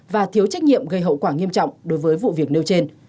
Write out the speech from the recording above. và thiếu trách nhiệm gây hậu quả nghiêm trọng đối với vụ việc nêu trên